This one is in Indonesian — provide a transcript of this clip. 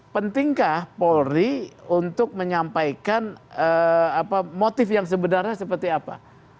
pentingkah polri untuk menyampaikan motif yang sebenarnya seperti apa